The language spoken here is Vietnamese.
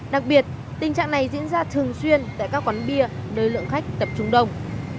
đặc biệt tình trạng này diễn ra thường xuyên tại các quán bia nơi lượng khách tập trung đông